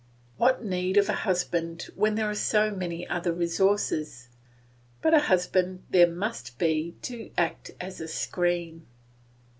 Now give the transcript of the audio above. What need of a husband when there are so many other resources; but a husband there must be to act as a screen.